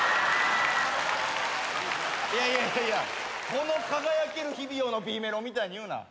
『この輝ける日々よ』のＢメロみたいに言うな。